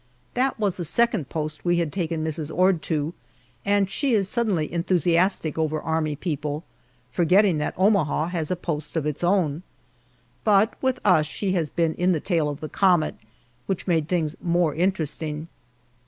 That was the second post we had taken Mrs. Ord to, and she is suddenly enthusiastic over army people, forgetting that Omaha has a post of its own. But with us she has been in the tail of the comet which made things more interesting.